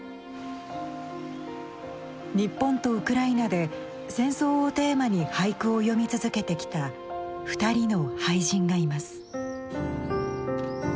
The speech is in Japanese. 日本とウクライナで「戦争」をテーマに俳句を詠み続けてきた２人の俳人がいます。